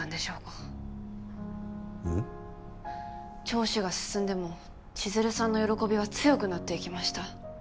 聴取が進んでも千弦さんの「喜び」は強くなっていきました。